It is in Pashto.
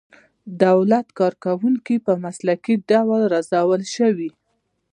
دولتي کارکوونکي په مسلکي ډول وروزل شي.